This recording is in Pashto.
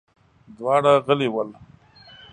دواړه غلي ول.